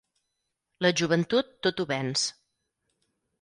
La joventut tot ho venç.